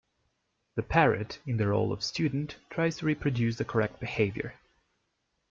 The parrot, in the role of student, tries to reproduce the correct behavior.